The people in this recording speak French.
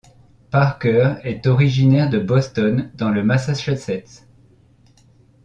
Parker est originaire de Boston, dans le Massachusetts.